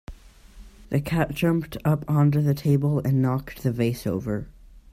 The cat jumped up onto the table and knocked the vase over.